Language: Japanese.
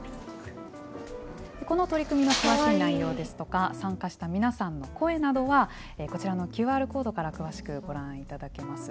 この取り組みの詳しい内容ですとか参加した皆さんの声などはこちらのＱＲコードから詳しくご覧いただけます。